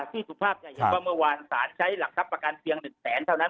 สุภาพจะเห็นว่าเมื่อวานสารใช้หลักทรัพย์ประกันเพียง๑แสนเท่านั้น